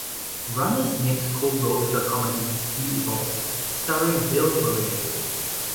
Ramis next co-wrote the comedy "Meatballs", starring Bill Murray.